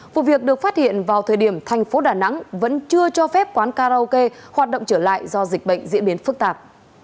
vụ việc được phát hiện vào thời điểm thành phố đà nẵng vẫn chưa cho phép quán karaoke hoạt động trở lại do dịch bệnh diễn biến phức tạp